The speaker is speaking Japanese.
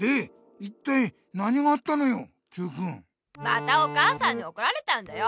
またお母さんにおこられたんだよ。